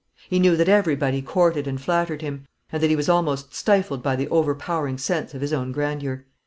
He knew that everybody courted and flattered him, and that he was almost stifled by the overpowering sense of his own grandeur.